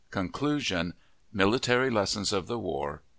CONCLUSION MILITARY LESSONS OF THE WAR.